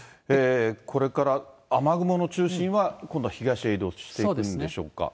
これから雨雲の中心は、今度は東へ移動していくんでしょうか。